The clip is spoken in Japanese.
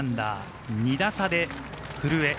２打差で古江。